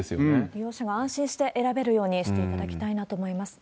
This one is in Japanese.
利用者が安心して選べるようにしていただきたいなと思います。